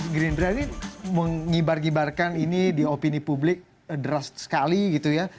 gerindra ini mengibar gibarkan ini di opini publik deras sekali gitu ya